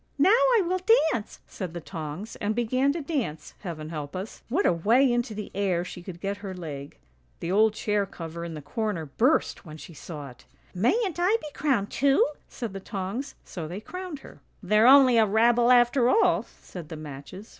"' Now I will dance,' said the tongs, and began to dance; heaven help us, what a way into the air she could get her leg. The old chair cover in the corner burst when she saw it! ' Mayn't I be crowned too,' said the tongs, so they crowned her. "' They're only a rabble after all,' said the matches.